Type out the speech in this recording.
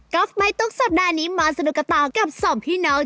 กลับใหม่ตุ๊กสัปดาห์นี้มาสนุกต่อกับสองพี่น้อง